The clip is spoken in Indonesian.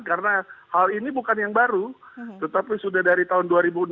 karena hal ini bukan yang baru tetapi sudah dari tahun dua ribu enam belas